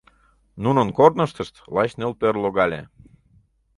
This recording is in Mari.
Нунын корныштышт лач нӧлпер логале.